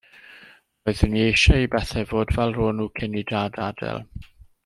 Roeddwn i eisiau i bethau fod fel ro'n nhw cyn i Dad adael.